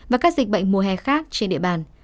và các dịch bệnh mùa hè khác trên địa bàn